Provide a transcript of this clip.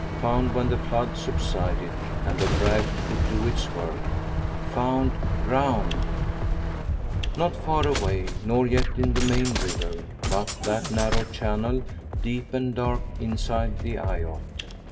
Found, when the flood subsided, and the drag could do its work found drowned! Not far away, nor yet in the main river; but that narrow channel, deep and dark, inside the eyot.